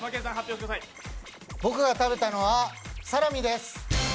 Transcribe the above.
僕が食べたのはサラミです。